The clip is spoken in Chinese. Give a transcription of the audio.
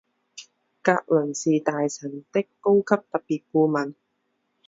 格伦是大臣的高级特别顾问。